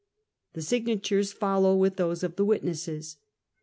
The signatures follow with those of the witnesses.